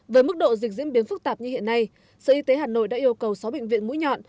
với mức độ dịch diễn biến phức tạp như hiện nay sở y tế hà nội đã yêu cầu sáu bệnh viện mũi nhọn